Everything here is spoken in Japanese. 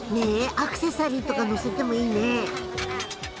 アクセサリーとかのせてもいいね。